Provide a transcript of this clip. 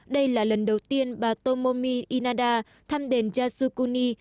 đây là lần đầu tiên bà tomomi inaza thăm đền yasukuni